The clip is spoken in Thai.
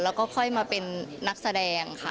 แล้วก็ค่อยมาเป็นนักแสดงค่ะ